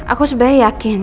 aku sebenernya yakin